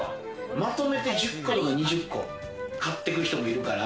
まとめて１０個とか２０個買っていく人もいるから。